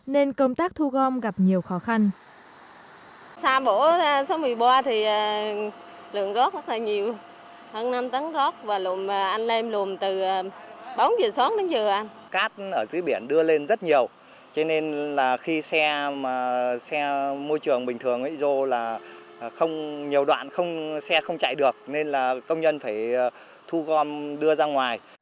nên công tác thu gom gặp nhiều khó khăn